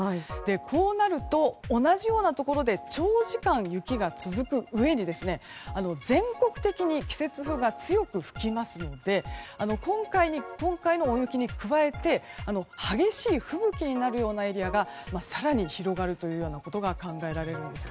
こうなると、同じようなところで長時間、雪が続くうえに全国的に季節風が強く吹きますので今回の大雪に加えて激しい吹雪になるようなエリアが更に広がるようなことが考えられるんですね。